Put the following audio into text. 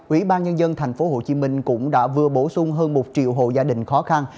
ủy ban nhân dân tp hcm cũng đã vừa bổ sung hơn một triệu hộ gia đình khó khăn